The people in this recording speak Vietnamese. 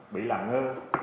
bị làm ngơ